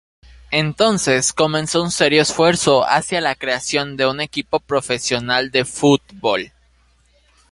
Entonces comenzó un serio esfuerzo hacia la creación de un equipo profesional de fútbol.